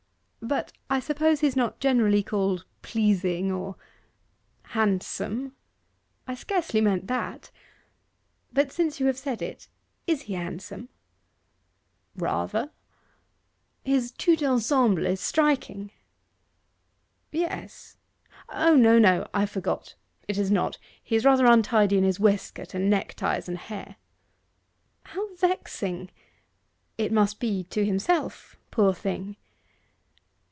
But I suppose he's not generally called pleasing, or ' 'Handsome?' 'I scarcely meant that. But since you have said it, is he handsome?' 'Rather.' 'His tout ensemble is striking?' 'Yes O no, no I forgot: it is not. He is rather untidy in his waistcoat, and neck ties, and hair.' 'How vexing!... it must be to himself, poor thing.